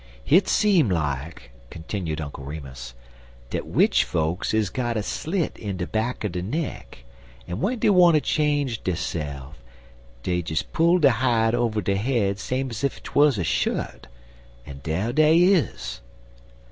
"Hit seem like," continued Uncle Remus, "dat witch fokes is got a slit in de back er de neck, en w'en dey wanter change derse'f, dey des pull de hide over der head same ez if 'twuz a shut, en dar dey is."